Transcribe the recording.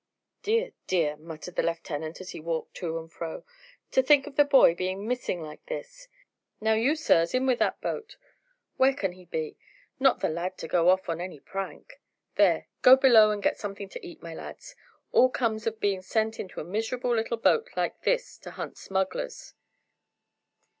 "Dear, dear," muttered the lieutenant as he walked to and fro. "To think of the boy being missing like this. Now you, sirs, in with that boat. Where can he be? Not the lad to go off on any prank. There, go below and get something to eat, my lads. All comes of being sent into a miserable little boat like this to hunt smugglers."